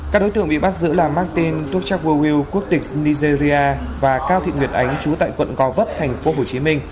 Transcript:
các đối tượng bị bắt giữ là martin tuchakwawil quốc tịch nigeria và cao thị nguyệt ánh trú tại quận gò vấp tp hcm